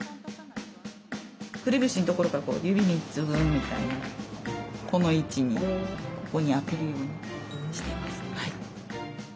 くるぶしのところから指３つ分みたいなこの位置にここに当てるようにしてます。